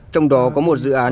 trong đó có một dự án